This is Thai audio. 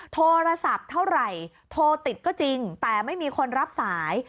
โทรศัพท์เท่าไหร่โทรติดก็จริงแต่ไม่มีคนรับสาย